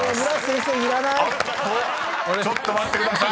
［あっと⁉ちょっと待ってください］